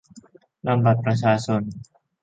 - นำบัตรประชาชน